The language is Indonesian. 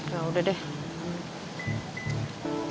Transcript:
ya udah deh